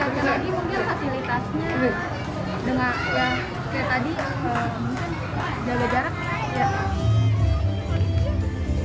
dan lagi mungkin fasilitasnya dengan yang kayak tadi jauh jauh jarak